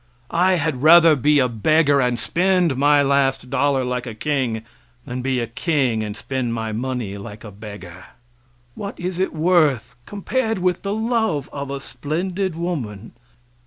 I had rather be a beggar and spend my last dollar like a king than be a king and spend my money like a beggar. What is it worth compared with the love of a splendid woman?